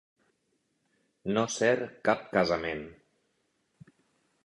No ser cap casament.